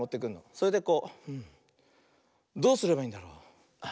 それでこう「どうすればいいんだろう？」。